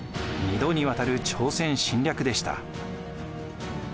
２度にわたる朝鮮侵略でした。